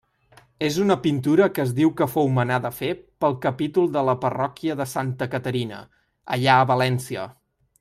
És una pintura que es diu que fou manada fer pel capítol de la parròquia de Santa Caterina, allà a València.